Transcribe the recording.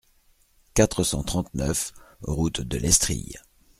quatre cent trente-neuf route de Lestrilles